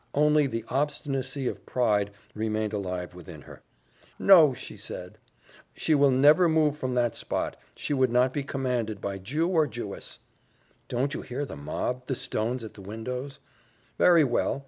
Only the obstinacy of pride remained alive within her. "No," she said, "she would never move from that spot she would not be commanded by Jew or Jewess." "Don't you hear the mob the stones at the windows?" "Very well.